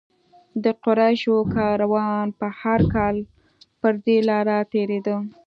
د قریشو کاروان به هر کال پر دې لاره تېرېده.